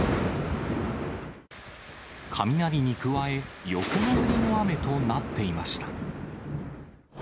雷に加え、横殴りの雨となっていました。